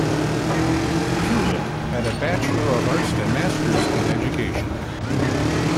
Peulich has a Bachelor of Arts and a Masters in Education.